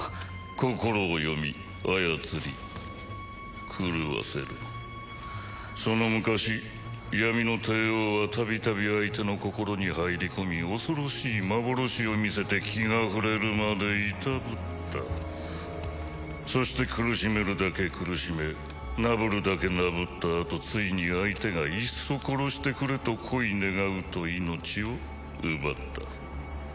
心を読み操り狂わせるその昔闇の帝王は度々相手の心に入り込み恐ろしい幻を見せて気が触れるまでいたぶったそして苦しめるだけ苦しめなぶるだけなぶったあとついに相手がいっそ殺してくれとこいねがうと命を奪った